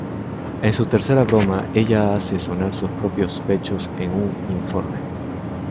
En su tercera broma, ella hace sonar sus propios pechos en un informe.